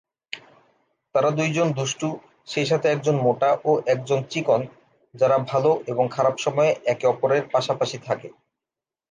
তারা দুইজন দুষ্টু, সেই সাথে একজন মোটা ও একজন চিকন যারা ভাল এবং খারাপ সময়ে একে অপরের পাশাপাশি থাকে।